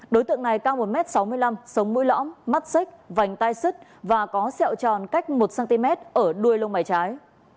đối tượng này cao một m sáu mươi năm sống mũi lõm mắt xích vành tai sứt và có xẹo tròn cách một cm ở đuôi lông bài trái